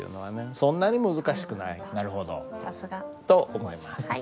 そんなに難しくない。と思います。